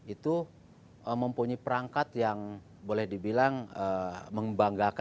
itu mempunyai perangkat yang boleh dibilang membanggakan lah ya